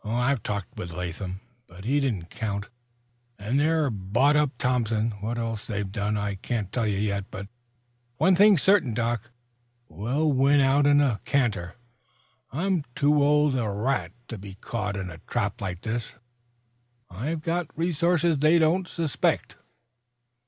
"I've talked with Latham. But he didn't count. And they've bought up Thompson. What else they've done I can't tell yet. But one thing's certain, Doc; we'll win out in a canter. I'm too old a rat to be caught in a trap like this. I've got resources they don't suspect."